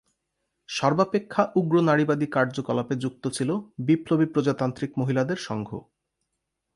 সর্বাপেক্ষা উগ্র নারীবাদী কার্যকলাপে যুক্ত ছিল 'বিপ্লবী প্রজাতান্ত্রিক মহিলাদের সংঘ'।